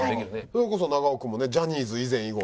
それこそ長尾君もねジャニーズ以前以後。